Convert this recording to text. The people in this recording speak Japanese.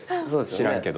知らんけど。